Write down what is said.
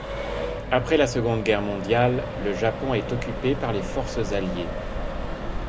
Après la Seconde Guerre mondiale, le Japon est occupé par les forces alliées.